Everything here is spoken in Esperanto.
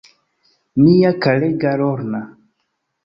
Mia karega Lorna.